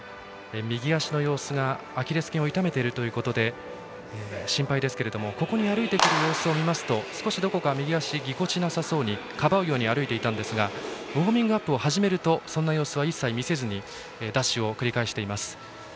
右足の様子がアキレスけんを痛めているということで心配ですがここに歩いてくる様子を見ると少しどこか右足ぎこちなさそうにかばうように歩いていたんですがウォーミングアップを始めるとそんな様子は一切見せずダッシュを繰り返しています。